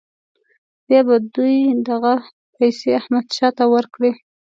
بیا به دوی دغه پیسې احمدشاه ته ورکړي.